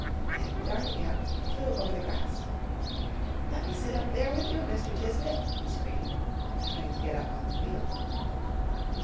And darting out, he flew over the grass. "Let me sit up there with you, Mr. Tisbett," he screamed, trying to get up on the wheel.